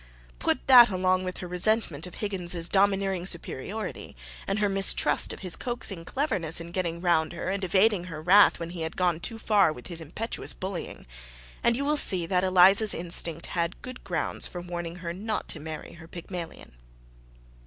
Put that along with her resentment of Higgins's domineering superiority, and her mistrust of his coaxing cleverness in getting round her and evading her wrath when he had gone too far with his impetuous bullying, and you will see that Eliza's instinct had good grounds for warning her not to marry her Pygmalion.